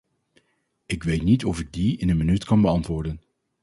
Ik weet niet of ik die in een minuut kan beantwoorden.